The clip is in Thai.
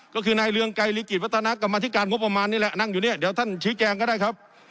ก็คือนายเรืองไกรลิกิจวัฒนากรรมธิการงบประมาณนี่แหละนั่งอยู่เนี่ยเดี๋ยวท่านชี้แจงก็ได้ครับ